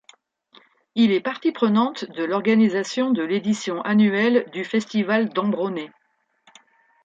Il est partie prenante de l'organisation de l'édition annuelle du festival d'Ambronay.